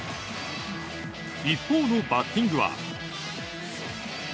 一方のバッティングは。